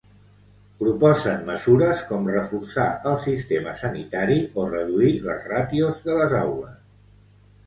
Proposen mesures com reforçar el sistema sanitari o reduir les ràtios de les aules.